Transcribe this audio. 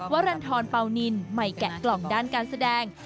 วัลันทรอนปาวนินใหม่แกะกล่องด้านการแสดง